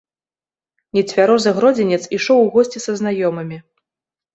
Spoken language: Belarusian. Нецвярозы гродзенец ішоў у госці са знаёмымі.